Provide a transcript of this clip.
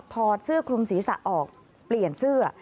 อดเสื้อคลุมศีรษะออกเปลี่ยนเสื้อ